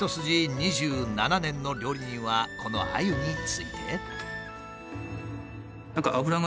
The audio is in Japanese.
２７年の料理人はこのアユについて。